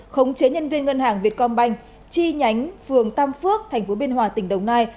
khống chế nhân viên ngân hàng vietcombank chi nhánh phường tam phước thành phố biên hòa tỉnh đồng nai